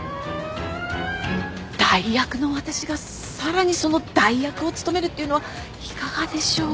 代役の私がさらにその代役を務めるっていうのはいかがでしょう？